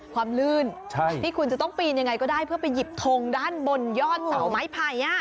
ลื่นที่คุณจะต้องปีนยังไงก็ได้เพื่อไปหยิบทงด้านบนยอดเสาไม้ไผ่